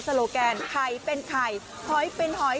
แผ่นเช้าเลย